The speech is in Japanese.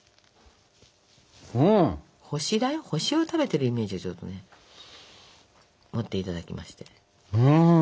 星だよ星を食べてるイメージをちょっとね持っていただきまして。